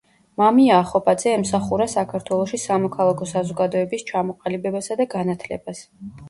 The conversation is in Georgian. მამია ახობაძე ემსახურა საქართველოში სამოქალაქო საზოგადოების ჩამოყალიბებასა და განათლებას.